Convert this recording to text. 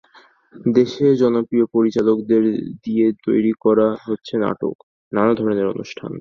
দেশের জনপ্রিয় পরিচালকদের দিয়ে তৈরি করা হচ্ছে নাটক, নানা ধরনের অনুষ্ঠান।